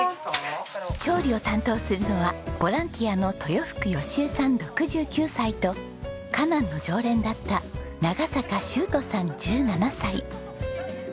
調理を担当するのはボランティアの豊福美江さん６９歳とかなんの常連だった長坂嵩斗さん１７歳。